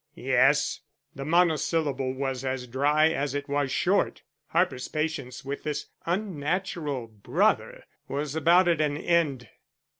"Yes," the monosyllable was as dry as it was short. Harper's patience with this unnatural brother was about at an end.